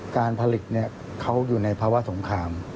การผลิตเขาอยู่ในภาวะสงคราม